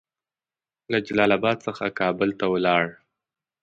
له جلال اباد څخه کابل ته ولاړ.